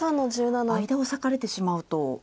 間を裂かれてしまうと。